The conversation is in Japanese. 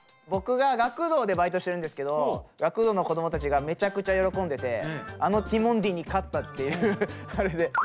僕が学童でバイトしてるんですけど学童の子どもたちがめちゃくちゃ喜んでてあのティモンディに勝ったっていうあれで。